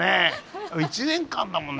１年間だもんね。